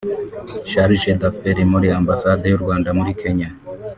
Chargé d’affaires muri Ambasade y’u Rwanda muri Kenya